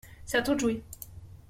C’est à toi de jouer.